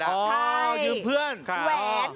ใช่ยืมเพื่อน